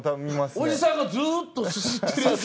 おじさんがずっとすすってるやつ。